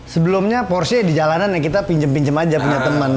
sebelumnya porsche di jalanan ya kita pinjem pinjem aja punya temen